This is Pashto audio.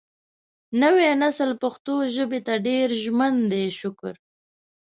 نوی نسل پښتو ژبې ته ډېر ژمن دی شکر